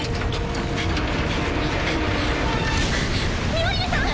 ミオリネさん！